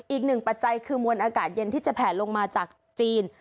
ปัจจัยคือมวลอากาศเย็นที่จะแผลลงมาจากจีน